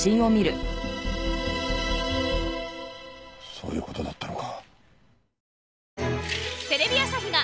そういう事だったのか。